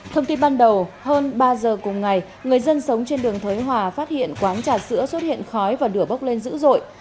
thông tin ban đầu hơn ba giờ cùng ngày người dân sống trên đường thới hòa phát hiện quán trà sữa xuất hiện khói và lửa bốc lên dữ dội